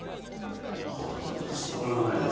ほとんど伝わらないですね。